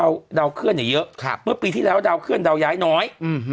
ดาวย้ายดาวเคลื่อนอย่างเยอะเพราะปีที่แล้วดาวเคลื่อนดาวย้ายน้อย